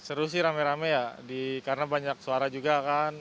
seru sih rame rame ya karena banyak suara juga kan